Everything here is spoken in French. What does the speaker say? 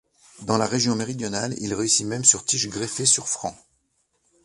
Dans la région méridionale il réussit même sur tige greffée sur franc.